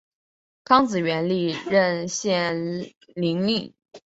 康子元历任献陵令。